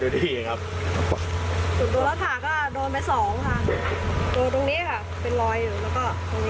โดนตรงนี้ค่ะเป็นรอยอยู่แล้วก็ตรงนี้ค่ะ